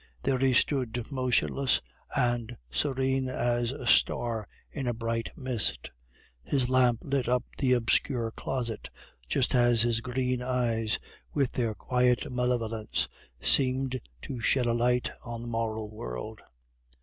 There he stood, motionless and serene as a star in a bright mist. His lamp lit up the obscure closet, just as his green eyes, with their quiet malevolence, seemed to shed a light on the moral world.